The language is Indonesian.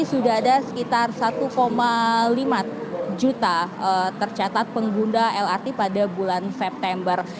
sudah ada sekitar satu lima juta tercatat pengguna lrt pada bulan september